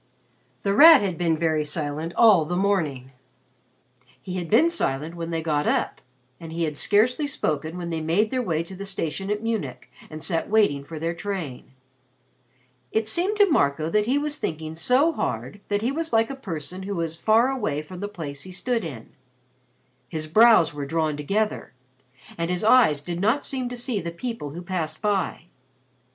The Rat had been very silent all the morning. He had been silent when they got up, and he had scarcely spoken when they made their way to the station at Munich and sat waiting for their train. It seemed to Marco that he was thinking so hard that he was like a person who was far away from the place he stood in. His brows were drawn together and his eyes did not seem to see the people who passed by.